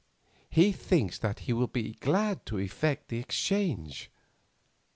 he thinks that he will be glad to effect the exchange.